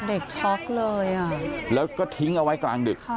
ช็อกเลยอ่ะแล้วก็ทิ้งเอาไว้กลางดึก